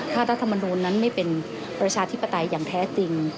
ถ้ารัฐมนูลนั้นไม่เป็นประชาธิปไตยอย่างแท้จริง